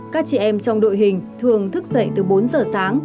các chị em trong đội hình thường thức dậy từ bốn giờ sáng